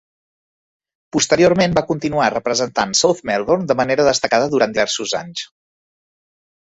Posteriorment va continuar representant South Melbourne de manera destacada durant diversos anys.